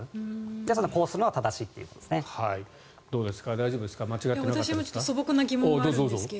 ですので、こうするのが正しいということですね。